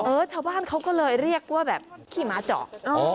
เออชาวบ้านเขาก็เลยเรียกว่าแบบขี่หมาจอก